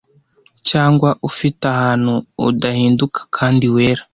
cyangwa ufite ahantu udahinduka kandi wera